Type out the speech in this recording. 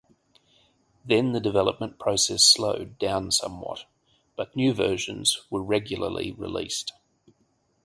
Then the development process slowed down somewhat but new versions were regularly released.